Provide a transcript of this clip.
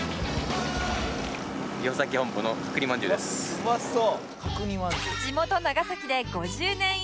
「うまそう」